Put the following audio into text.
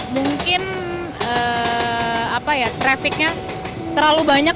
mungkin apa ya trafiknya terlalu banyak